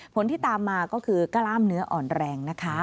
ผลที่ตามมาก็คือกล้ามเนื้ออ่อนแรงนะคะ